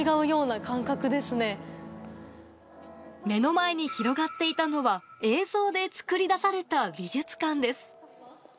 目の前に広がっていたのは映像で作り出された美術館です。